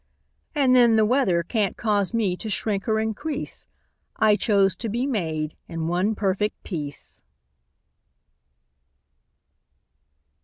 And, then, The weather can't cause me to shrink or increase: I chose to be made in one perfect piece!